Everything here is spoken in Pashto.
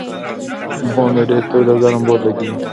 باندې ډېر تود او ګرم باد لګېږي.